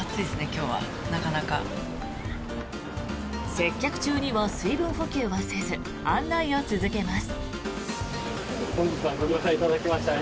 接客中には水分補給をせず案内を続けます。